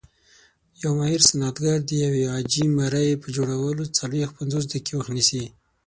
یو ماهر صنعتګر د یوې عاجي مرۍ په جوړولو څلويښت - پنځوس دقیقې وخت نیسي.